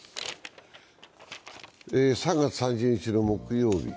３月３０日木曜日。